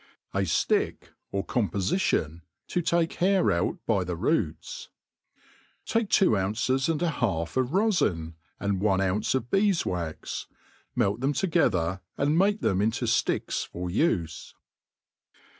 j1 Suck^ or Compofitlon^ to take tialr out hy the Roots* ' TAICE two ounces and a half of rofin, and one ounce of bees wax 3 melt them together, and make them into fticks for ufe.